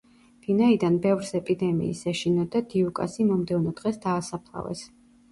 ვინაიდან ბევრს ეპიდემიის ეშინოდა, დიუკასი მომდევნო დღეს დაასაფლავეს.